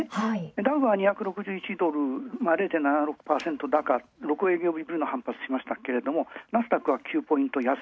ダウは２６１ドル、０．７６％高６営業振りの反発しましたけど、ナスダックは９ポイント安。